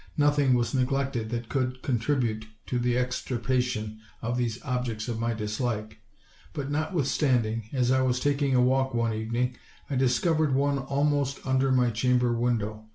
Nothing was neg lected that could contribute to the extirpation of these objects of my dislike; but notwithstanding, as I was tak ing a walk one evening, I discovered one almost under my chamber window.